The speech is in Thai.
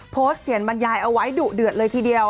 โปสเทียนบรรยายได้ไว้เดือดให้เดียว